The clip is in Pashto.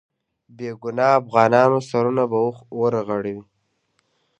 بې ګناه افغانانو سرونه به ورغړي.